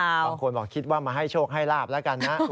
บางคนบอกคิดว่ามาให้โชคให้ลาบแล้วกันนะ